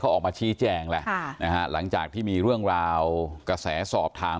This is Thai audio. ออกมาชี้แจงแหละนะฮะหลังจากที่มีเรื่องราวกระแสสอบถาม